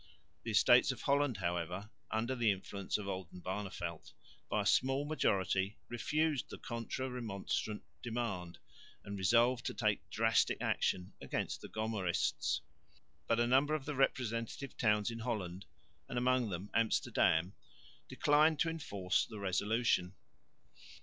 The Estates of Holland, however, under the influence of Oldenbarneveldt by a small majority refused the Contra Remonstrant demand and resolved to take drastic action against the Gomarists. But a number of the representative towns in Holland, and among them Amsterdam, declined to enforce the resolution.